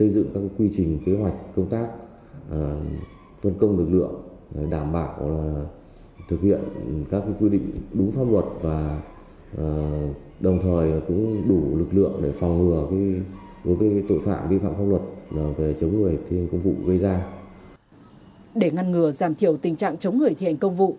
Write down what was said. để ngăn ngừa giảm thiểu tình trạng chống người thi hành công vụ